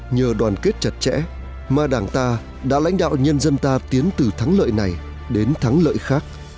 nhờ đoàn kết chặt chẽ mà đảng ta đã lãnh đạo nhân dân ta tiến từ thắng lợi này đến thắng lợi khác